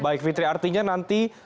baik fitri artinya nanti